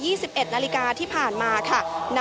พาคุณผู้ชมไปติดตามบรรยากาศกันที่วัดอรุณราชวรรมหาวิหารค่ะ